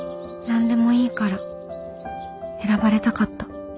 何でもいいから選ばれたかった